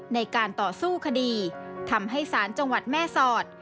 ในการต่อสู้คดีทำให้ศาลจังหวัดแม่สอด